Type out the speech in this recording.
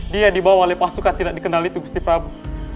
dia dibawa oleh pasukan tidak dikenal itu kusti prabu